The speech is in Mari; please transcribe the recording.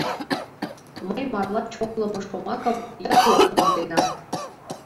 Мый марла чоклымо шомакым йыклык монденам.